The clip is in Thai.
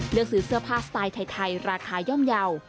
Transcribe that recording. เลือกซื้อเสื้อผ้าสไตล์ไทยราคาย่อมเยาว์